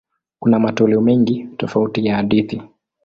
Kuna matoleo mengi tofauti ya hadithi.